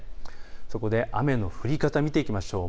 そこで雨の降り方を見ていきましょう。